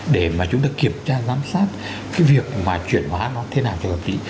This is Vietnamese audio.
để mà chúng ta kiểm tra giám sát cái việc mà chuyển hóa nó thế nào cho cập trí